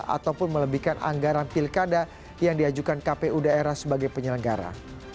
ataupun melebihkan anggaran pilkada yang diajukan kpu daerah sebagai penyelenggara